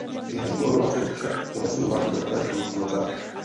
Během korunovace je však unesen malý bratranec budoucího cara.